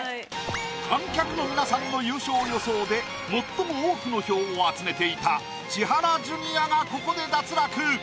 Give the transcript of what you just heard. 観客の皆さんの優勝予想で最も多くの票を集めていた千原ジュニアがここで脱落。